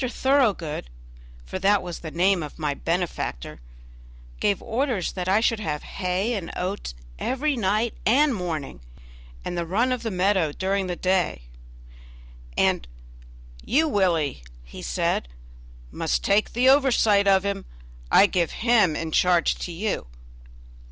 Thoroughgood, for that was the name of my benefactor, gave orders that I should have hay and oats every night and morning, and the run of the meadow during the day, and, "you, Willie," said he, "must take the oversight of him; I give him in charge to you."